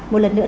một lần nữa